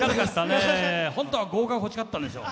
本当は合格欲しかったでしょ。